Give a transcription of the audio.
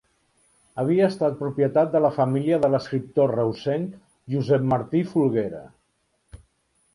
Havia estat propietat de la família de l'escriptor reusenc Josep Martí Folguera.